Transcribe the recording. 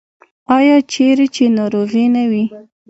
آیا چیرې چې ناروغي نه وي؟